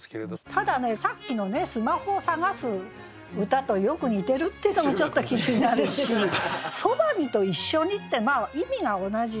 ただねさっきのスマホを探す歌とよく似てるっていうのがちょっと気になるし「傍に」と「一緒に」って意味が同じ。